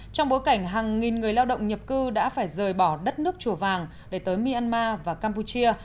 trong bối cảnh hàng nghìn người lao động nhập cư đã phải rời bỏ đất nước chùa vàng để tới myanmar và campuchia